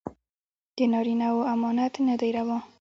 د نارينو امامت نه دى روا.